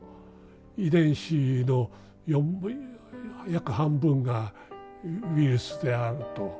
遺伝子の４分約半分がウイルスであると。